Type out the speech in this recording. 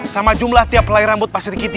sama jumlah tiap pelahiran buah